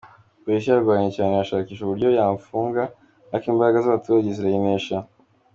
Polisi yarwanye cyane ishakisha uburyo yamfunga ariko imbaraga z’abaturage zirayinesha.